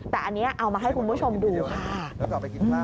แต่อันนี้เอามาให้คุณผู้ชมดูค่ะ